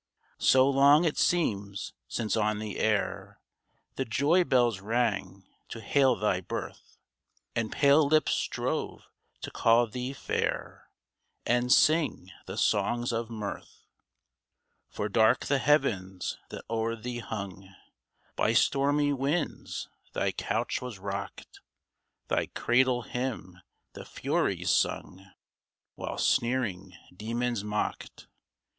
So long it seems since on the air The joy bells rang to hail thy birth — And pale lips strove to call thee fair, And sing the songs of mirth ! For dark the heavens that o'er thee hung ; By stormy winds thy couch was rocked ; Thy cradle hymn the Furies sung, While sneering Demons mocked